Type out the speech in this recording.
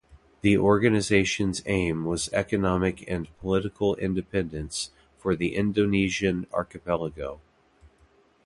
The organization's aim was economic and political independence for the Indonesian archipelago.